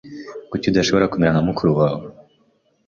Kuki udashobora kumera nka mukuru wawe?